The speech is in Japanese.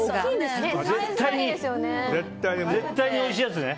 絶対においしいやつね。